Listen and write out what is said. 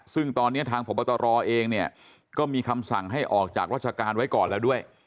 ซึ่งตอนนี้ทางพบตรเองเนี่ยก็มีคำสั่งให้ออกจากราชการไว้ก่อนแล้วด้วย